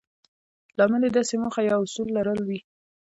لامل يې داسې موخه يا اصول لرل وي.